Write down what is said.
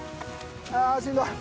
ああしんどい。